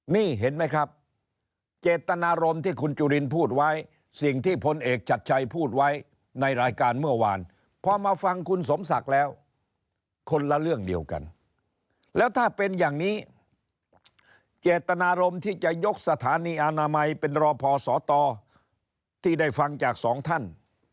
นี่เห็นไหมครับเจตนารมณ์ที่คุณจุลินพูดไว้สิ่งที่พลเอกชัดชัยพูดไว้ในรายการเมื่อวานพอมาฟังคุณสมศักดิ์แล้วคนละเรื่องเดียวกันแล้วถ้าเป็นอย่างนี้เจตนารมณ์ที่จะยกสถานีอนามัยเป็นรอพอสตที่ได้ฟังจากสองท่าน